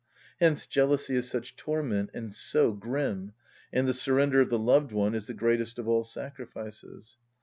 Hence jealousy is such torment and so grim, and the surrender of the loved one is the greatest of all sacrifices.